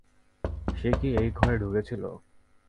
সে কি এই ঘরে ঢুকেছিল?